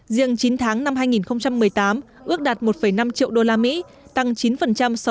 riêng chín tháng năm hai nghìn một mươi tám ước đạt một năm triệu đô la mỹ tăng chín so với cùng kỳ năm trước